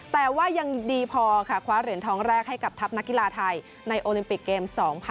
แต่ว่ายังดีพอค่ะคว้าเหรียญทองแรกให้กับทัพนักกีฬาไทยในโอลิมปิกเกม๒๐๑๖